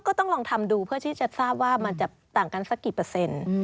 ก็ต้องลองทำดูเพื่อที่จะทราบว่ามันจะต่างกันสักกี่เปอร์เซ็นต์